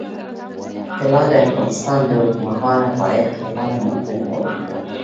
طلا د افغانستان د اوږدمهاله پایښت لپاره مهم رول لري.